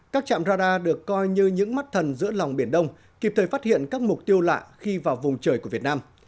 các trạm radar được coi như những mắt thần giữa lòng biển đông kịp thời phát hiện các mục tiêu lạ khi vào vùng trời của việt nam